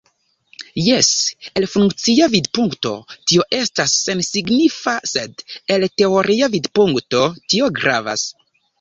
Jes, el funkcia vidpunkto tio estas sensignifa, sed el teoria vidpunkto tio gravas.